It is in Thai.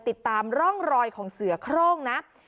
ติดตามร่องรอยของเสือโครงนะ